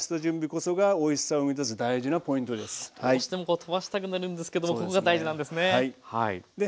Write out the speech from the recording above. どうしてもこう飛ばしたくなるんですけどもここが大事なんですね。